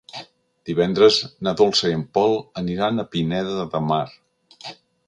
Divendres na Dolça i en Pol aniran a Pineda de Mar.